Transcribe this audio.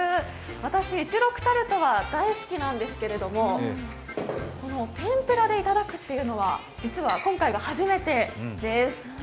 私、一六タルトは大好きなんですけれども天ぷらでいただくのは、実は今回が初めてです。